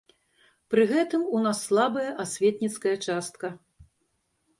Пры гэтым у нас слабая асветніцкая частка.